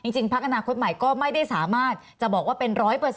จริงพักอนาคตใหม่ก็ไม่ได้สามารถจะบอกว่าเป็น๑๐๐